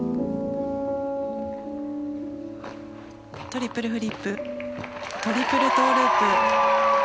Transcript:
トリプルフリップトリプルトウループ。